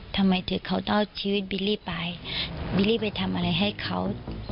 ทำไมถึงเขาต้องเอาชีวิตบิลลี่ไปบิลลี่ไปทำอะไรให้เขา